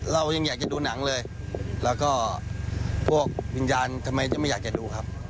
เรายังอยากจะดูหนังเลยแล้วก็พวกวิญญาณทำไมจะไม่อยากจะดูครับ